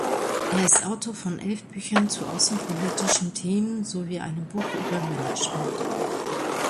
Er ist Autor von elf Büchern zu außenpolitischen Themen sowie einem Buch über Management.